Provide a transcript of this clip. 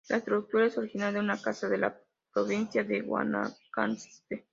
La estructura es original de una casa de la provincia de Guanacaste.